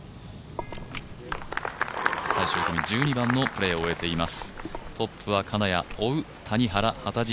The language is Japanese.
最終組１２番のプレーを終えています。